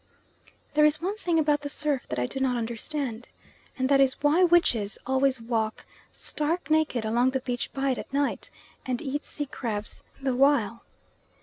There is one thing about the surf that I do not understand, and that is why witches always walk stark naked along the beach by it at night, and eat sea crabs the while.